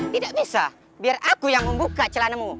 tidak bisa biar aku yang membuka celanamu